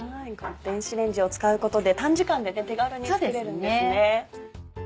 電子レンジを使うことで短時間で手軽に作れるんですね。